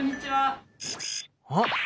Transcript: あっ！